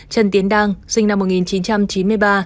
trần tiến đang sinh năm một nghìn chín trăm chín mươi ba